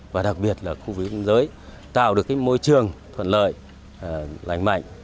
và đặc biệt là khu vực biên giới tạo được môi trường thuận lợi lành mạnh